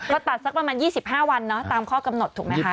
ก็ตัดสักประมาณ๒๕วันเนอะตามข้อกำหนดถูกไหมคะ